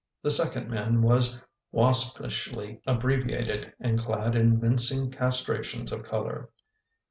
The second man was waspishly abbreviated and clad in mincing castrations of color.